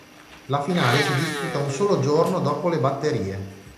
La finale si disputa un solo giorno dopo le batterie.